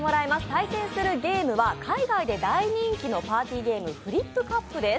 対戦するゲームは海外で大人気のパーティーゲーム、「フリップカップ」です。